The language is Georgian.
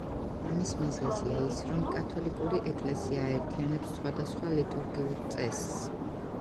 ამის მიზეზია ის, რომ კათოლიკური ეკლესია აერთიანებს სხვადასხვა ლიტურგიულ წესს.